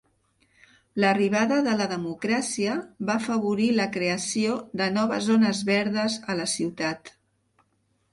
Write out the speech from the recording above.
L'arribada de la democràcia va afavorir la creació de noves zones verdes a la ciutat.